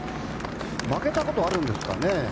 負けたことあるんですかね？